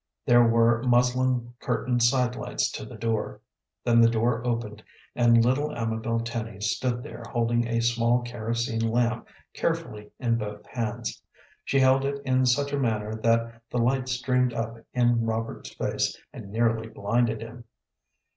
There were muslin curtained side lights to the door. Then the door opened, and little Amabel Tenny stood there holding a small kerosene lamp carefully in both hands. She held it in such a manner that the light streamed up in Robert's face and nearly blinded him.